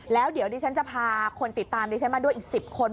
แล้วเดี๋ยวดิฉันจะพาคนติดตามดิฉันมาด้วยอีก๑๐คน